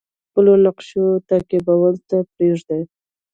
خپلو نقشو تعقیبولو ته پریږدي.